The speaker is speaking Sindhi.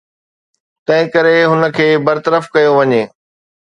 تنهنڪري هن کي برطرف ڪيو وڃي